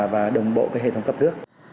và đồng bộ với hệ thống cấp nước